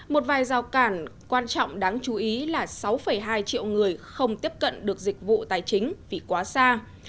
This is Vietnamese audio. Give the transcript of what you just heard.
một vài giao cản quan trọng đáng chú ý là sáu hai triệu người không tiếp cận được dịch vụ tài chính vì quá xa